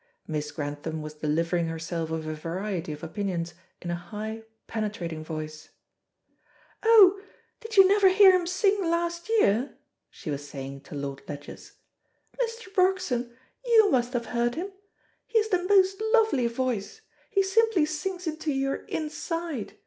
Miss Grantham was delivering herself of a variety of opinions in a high, penetrating voice. "Oh, did you never hear him sing last year?" she was saying to Lord Ledgers. "Mr. Broxton, you must have heard him. He has the most lovely voice. He simply sings into your inside.